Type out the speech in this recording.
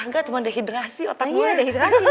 gak cuman dehidrasi otak gue